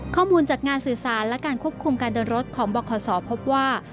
ข้อมูลจากงานสื่อสารและการควบคุมการเดินรถของบคศพบว่า